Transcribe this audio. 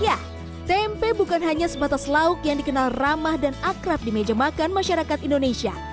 ya tempe bukan hanya sebatas lauk yang dikenal ramah dan akrab di meja makan masyarakat indonesia